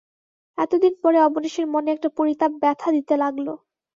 এতদিন পরে অবনীশের মনে একটা পরিতাপ ব্যথা দিতে লাগল।